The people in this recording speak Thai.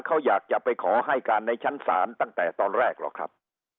เขาอยากจะไปขอให้การในชั้นศาลตั้งแต่ตอนแรกหรอกครับ